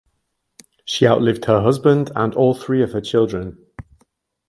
She outlived her husband and all three of her children.